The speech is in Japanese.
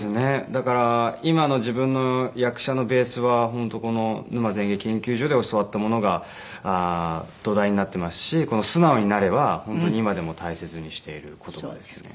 だから今の自分の役者のベースは本当この沼津演劇研究所で教わったものが土台になっていますしこの「素直になれ」は本当に今でも大切にしている言葉ですね。